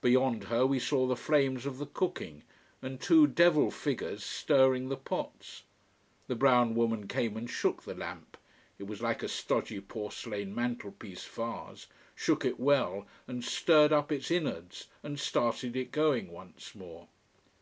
Beyond her we saw the flames of the cooking, and two devil figures stirring the pots. The brown woman came and shook the lamp it was like a stodgy porcelain mantelpiece vase shook it well and stirred up its innards, and started it going once more.